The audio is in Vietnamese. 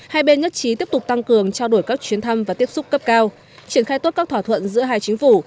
hai bên nhất trí tiếp tục tăng cường trao đổi các chuyến thăm và tiếp xúc cấp cao triển khai tốt các thỏa thuận giữa hai chính phủ